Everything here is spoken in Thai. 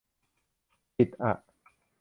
ปิดอ่ะ